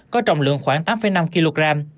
có trọng lượng khoảng tám năm kg